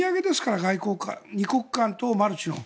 外交、２国間とマルチの。